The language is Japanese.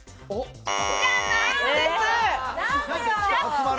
じゃないんです。